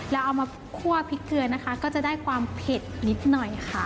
เราเอามาคั่วพริกเกลือนะคะก็จะได้ความเผ็ดนิดหน่อยค่ะ